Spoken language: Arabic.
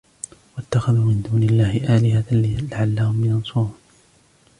واتخذوا من دون الله آلهة لعلهم ينصرون